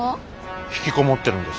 ひきこもってるんです